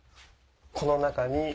この中に。